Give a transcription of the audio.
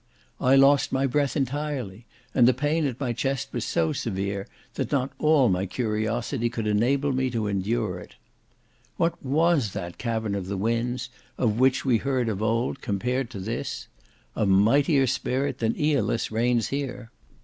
I lost my breath entirely; and the pain at my chest was so severe, that not all my curiosity could enable me to endure it. What was that cavern of the winds, of which we heard of old, compared to this? A mightier spirit than Aeolus reigns here.